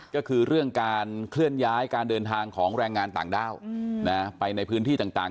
ก็คือเรื่องการเคลื่อนย้ายการเดินทางของแรงงานต่างด้าวไปในพื้นที่ต่าง